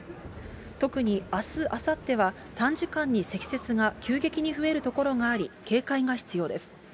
特にあす、あさっては短時間に積雪が急激に増える所があり、警戒が必要です。